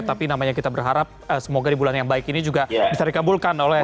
tapi namanya kita berharap semoga di bulan yang baik ini juga bisa dikabulkan oleh